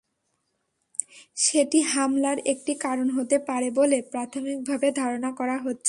সেটি হামলার একটি কারণ হতে পারে বলে প্রাথমিকভাবে ধারণা করা হচ্ছে।